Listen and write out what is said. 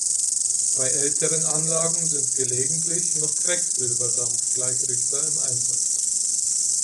Bei älteren Anlagen sind gelegentlich noch Quecksilberdampf-Gleichrichter im Einsatz.